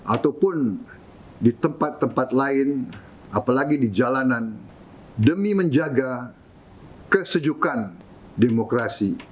ataupun di tempat tempat lain apalagi di jalanan demi menjaga kesejukan demokrasi